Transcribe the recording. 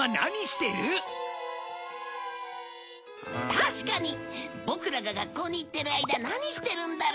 確かにボクらが学校に行っている間何してるんだろう？